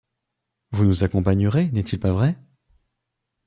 Vous nous accompagnerez, n’est-il pas vrai ?